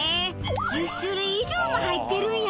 １０種類以上も入ってるんや。